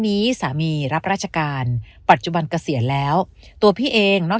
นี้สามีรับราชการปัจจุบันเกษียณแล้วตัวพี่เองนอก